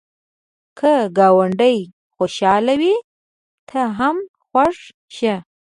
که ګاونډی خوشحال وي، ته هم خوښ شه